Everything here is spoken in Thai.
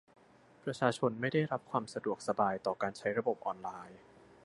ประชาชนไม่ได้รับความสะดวกสบายต่อการใช้ระบบออนไลน์